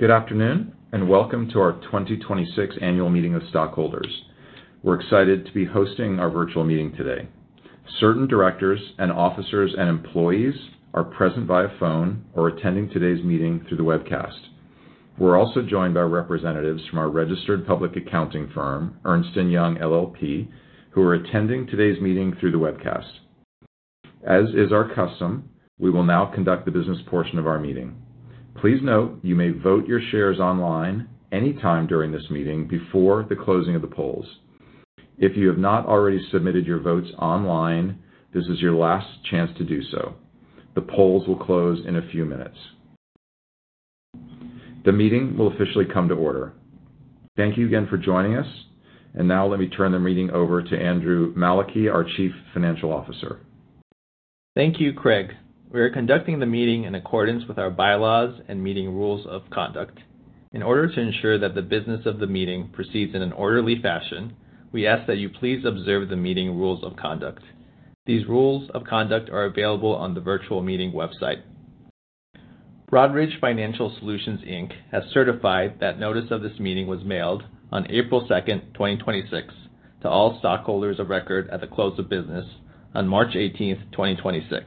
Good afternoon, and welcome to our 2026 annual meeting of stockholders. We're excited to be hosting our virtual meeting today. Certain directors and officers and employees are present via phone or attending today's meeting through the webcast. We're also joined by representatives from our registered public accounting firm, Ernst & Young LLP, who are attending today's meeting through the webcast. As is our custom, we will now conduct the business portion of our meeting. Please note you may vote your shares online anytime during this meeting before the closing of the polls. If you have not already submitted your votes online, this is your last chance to do so. The polls will close in a few minutes. The meeting will officially come to order. Thank you again for joining us. Now let me turn the meeting over to Andrew Maleki, our Chief Financial Officer. Thank you, Craig. We are conducting the meeting in accordance with our bylaws and meeting rules of conduct. In order to ensure that the business of the meeting proceeds in an orderly fashion, we ask that you please observe the meeting rules of conduct. These rules of conduct are available on the virtual meeting website. Broadridge Financial Solutions, Inc. has certified that notice of this meeting was mailed on April 2, 2026 to all stockholders of record at the close of business on March 18, 2026,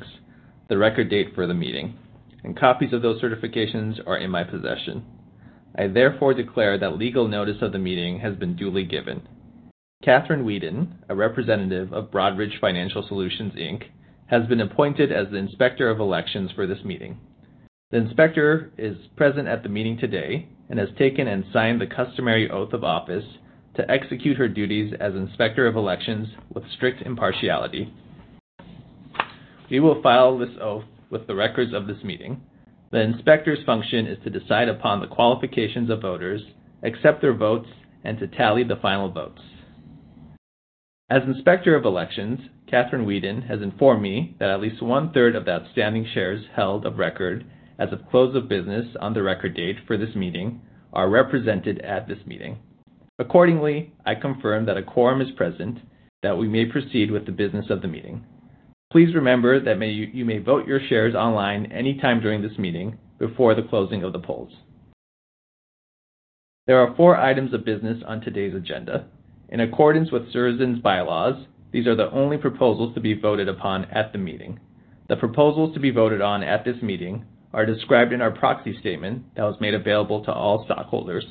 the record date for the meeting, and copies of those certifications are in my possession. I therefore declare that legal notice of the meeting has been duly given. Kathryn Whedon, a representative of Broadridge Financial Solutions, Inc., has been appointed as the Inspector of Elections for this meeting. The Inspector is present at the meeting today and has taken and signed the customary oath of office to execute her duties as Inspector of Elections with strict impartiality. We will file this oath with the records of this meeting. The Inspector's function is to decide upon the qualifications of voters, accept their votes, and to tally the final votes. As Inspector of Elections, Kathryn Whedon has informed me that at least 1/3 of the outstanding shares held of record as of close of business on the record date for this meeting are represented at this meeting. Accordingly I confirm that a quorum is present that we may proceed with the business of the meeting. Please remember that you may vote your shares online anytime during this meeting before the closing of the polls. There are four items of business on today's agenda. In accordance with Surrozen's bylaws, these are the only proposals to be voted upon at the meeting. The proposals to be voted on at this meeting are described in our proxy statement that was made available to all stockholders.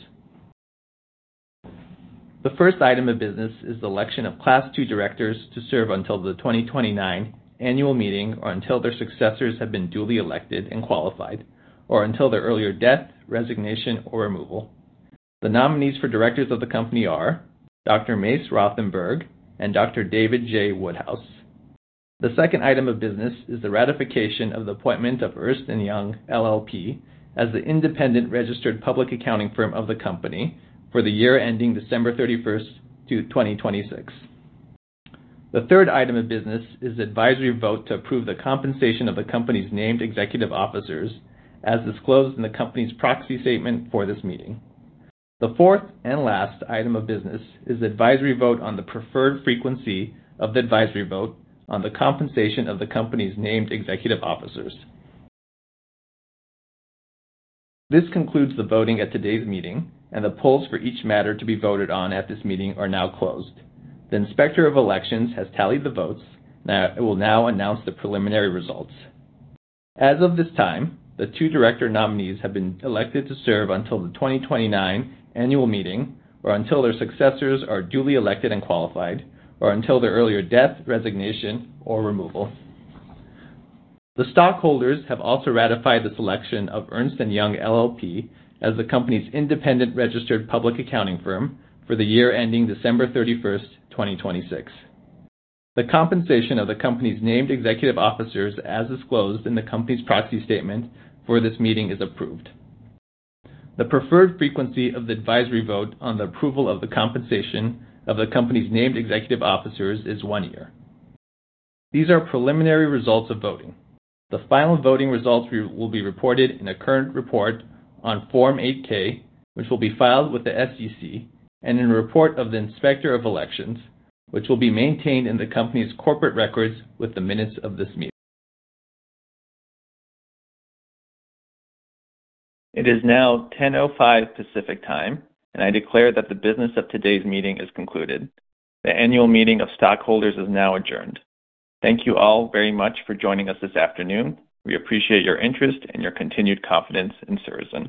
The first item of business is the election of Class II directors to serve until the 2029 annual meeting or until their successors have been duly elected and qualified, or until their earlier death, resignation, or removal. The nominees for directors of the company are Dr. Mace Rothenberg and Dr. David J. Woodhouse. The second item of business is the ratification of the appointment of Ernst & Young LLP as the independent registered public accounting firm of the company for the year ending December 31st, to 2026. The third item of business is the advisory vote to approve the compensation of the company's named executive officers as disclosed in the company's proxy statement for this meeting. The fourth and last item of business is the advisory vote on the preferred frequency of the advisory vote on the compensation of the company's named executive officers. This concludes the voting at today's meeting, and the polls for each matter to be voted on at this meeting are now closed. The Inspector of Elections has tallied the votes and will now announce the preliminary results. As of this time, the two director nominees have been elected to serve until the 2029 annual meeting or until their successors are duly elected and qualified, or until their earlier death, resignation, or removal. The stockholders have also ratified the selection of Ernst & Young LLP as the company's independent registered public accounting firm for the year ending December 31st, 2026. The compensation of the company's named executive officers as disclosed in the company's proxy statement for this meeting is approved. The preferred frequency of the advisory vote on the approval of the compensation of the company's named executive officers is one year. These are preliminary results of voting. The final voting results will be reported in a current report on Form 8-K, which will be filed with the SEC, and in a report of the Inspector of Elections, which will be maintained in the company's corporate records with the minutes of this meeting. It is now 10:05 A.M. Pacific Time, and I declare that the business of today's meeting is concluded. The annual meeting of stockholders is now adjourned. Thank you all very much for joining us this afternoon. We appreciate your interest and your continued confidence in Surrozen.